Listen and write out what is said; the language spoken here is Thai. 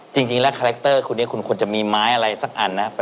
จริงแล้วคาแรคเตอร์คนนี้คุณควรจะมีไม้อะไรสักอันนะ